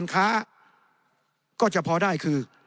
ในทางปฏิบัติมันไม่ได้